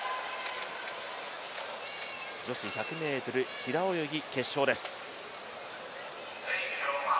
女子１００ｍ平泳ぎ決勝です。